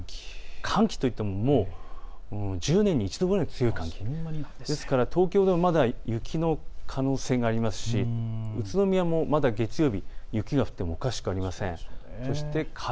寒気といっても１０年に一度くらい強い寒気ですから東京はまだ雪の可能性がありますし宇都宮もまだ月曜日雪が降ってもおかしくはありません。